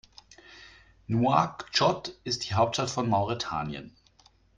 Nouakchott ist die Hauptstadt von Mauretanien.